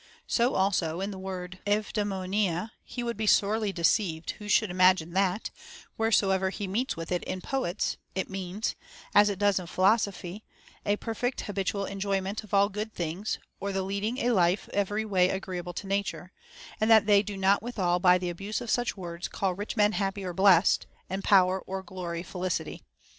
]: So also in the word ευδαιμονία, he would be sorely deceived who should imagine that, wheresoever he meets with it m poets, it means (as it does in philosophy) a perfect habitual enjoyment of all good things or the leading a life every way agreeable to Nature, and that they do not withal by the abuse of such words call rich men happy or blessed, and power or glory felicity.